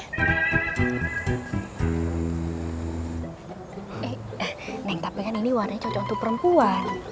eh neng tapi kan ini warnanya cocok untuk perempuan